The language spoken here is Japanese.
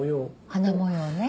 花模様ね。